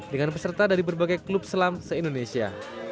dengan peserta dari berbagai klub selam se indonesia